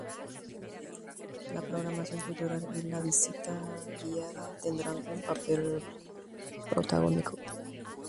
La programación cultural y las visitas guiadas tendrán un papel protagónico.